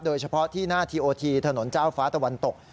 โดยเฉพาะที่หน้าทีโอทีถนนเจ้าฟ้าตะวันตก